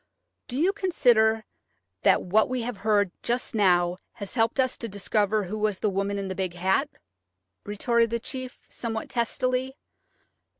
"Do you consider that what we have heard just now has helped us to discover who was the woman in the big hat?" retorted the chief, somewhat testily.